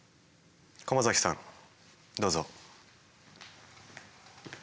駒崎さんどうぞ。